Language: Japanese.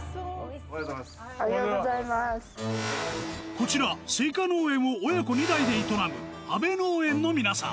こちらスイカ農園を親子２代で営むあべ農園の皆さん